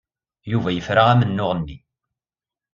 Yuba yefra amennuɣ-nni.